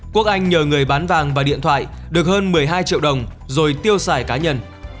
quốc anh nhờ người bán vàng và điện thoại được hơn một mươi hai triệu đồng rồi tiêu xài cá nhân